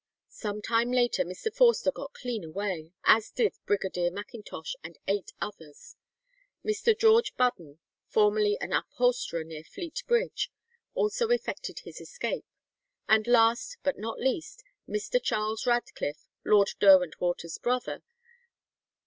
Some time later Mr. Forster got clean away, as did Brigadier Macintosh and eight others. Mr. George Budden, formerly an upholsterer near Fleet Bridge, also effected his escape; and last, but not least, Mr. Charles Radcliffe, Lord Derwentwater's brother.